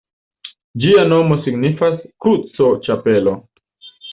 Ĝia nomo signifas “Kruco-Ĉapelo”.